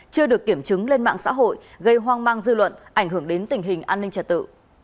chưa được kiểm chứng lên mạng xã hội gây hoang mang dư luận ảnh hưởng đến tình hình an ninh trật tự